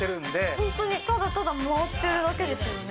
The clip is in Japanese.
本当に、ただただ回ってるだけですよね。